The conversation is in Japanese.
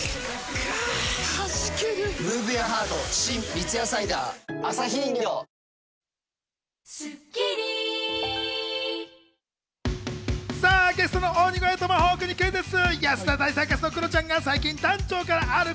三ツ矢サイダー』ゲストの鬼越トマホークにクイズッス。